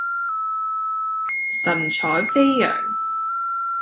神采飛揚